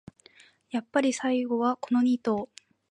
やっぱり最後はこのニ頭